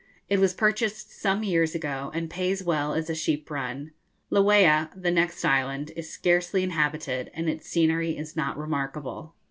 It was purchased some years ago, and pays well as a sheep run. Lauai, the next island, is scarcely inhabited, and its scenery is not remarkable.